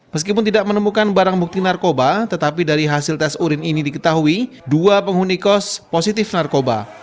meskipun tidak menemukan barang bukti narkoba tetapi dari hasil tes urin ini diketahui dua penghuni kos positif narkoba